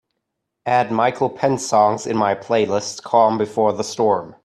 add Michael Penn songs in my playlist Calm before the storm